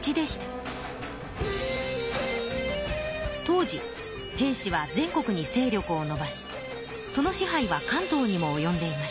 当時平氏は全国に勢力をのばしその支配は関東にもおよんでいました。